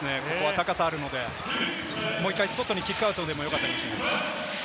高さがあるので、もう一回、外にキックアウトでもよかったかもしれないです。